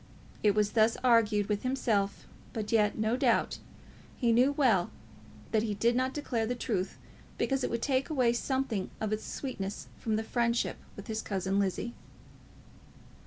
It was thus he argued with himself, but yet, no doubt, he knew well that he did not declare the truth because it would take away something of its sweetness from this friendship with his cousin Lizzie.